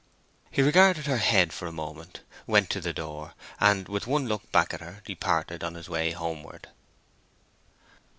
He regarded her head for a moment, went to the door, and with one look back at her, departed on his way homeward.